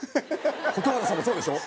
蛍原さんもそうでしょ？